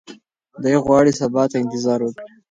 دی غواړي چې سبا ته انتظار وکړي.